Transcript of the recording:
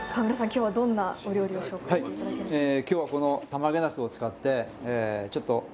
今日はどんなお料理を紹介して頂けるんですか？